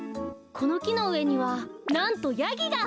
このきのうえにはなんとヤギが！